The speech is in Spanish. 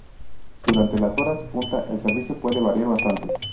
Durante las horas punta el servicio puede variar bastante.